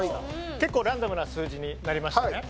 結構ランダムな数字になりましたね